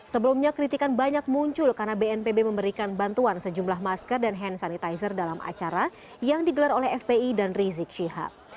sebelumnya kritikan banyak muncul karena bnpb memberikan bantuan sejumlah masker dan hand sanitizer dalam acara yang digelar oleh fpi dan rizik syihab